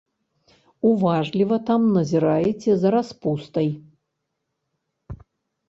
Уважліва там назіраеце за распустай.